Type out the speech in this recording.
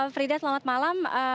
frida selamat malam